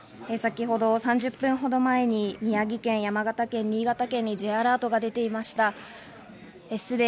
先ほど３０分ほど前に宮城県、山形県、新潟県にＪアラートが出ていました。